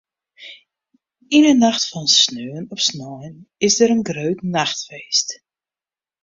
Yn 'e nacht fan sneon op snein is der in grut nachtfeest.